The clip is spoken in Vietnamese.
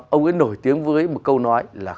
ông ấy nổi tiếng với một câu nói là